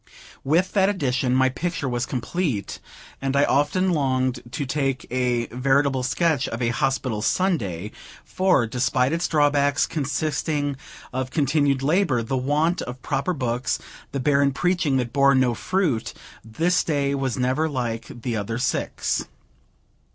With that addition, my picture was complete; and I often longed to take a veritable sketch of a Hospital Sunday, for, despite its drawbacks, consisting of continued labor, the want of proper books, the barren preaching that bore no fruit, this day was never like the other six.